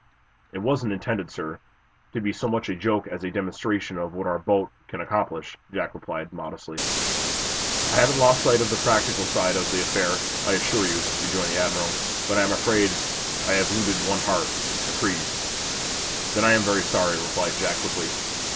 "It wasn't intended, sir, to be so much a joke as a demonstration of what our boat can accomplish," Jack replied, modestly. "I haven't lost sight of the practical side of the affair, I assure you," rejoined the admiral. "But I am afraid I have wounded one heart McCrea's." "Then I am very sorry," replied Jack, quickly.